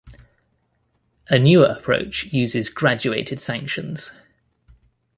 A newer approach uses graduated sanctions.